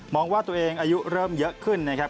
ว่าตัวเองอายุเริ่มเยอะขึ้นนะครับ